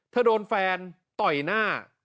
โดนแฟนต่อยหน้า